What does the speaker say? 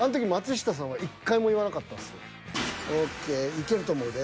いけると思うで。